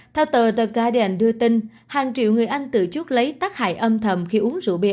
theo tờ theden đưa tin hàng triệu người anh tự chút lấy tác hại âm thầm khi uống rượu bia